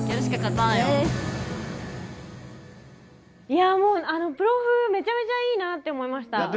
いやプロフめちゃめちゃいいなって思いました。